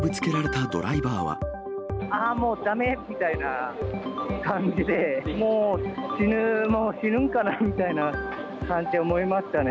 あーもうだめみたいな感じで、もう死ぬんかなみたいな感じに思いましたね。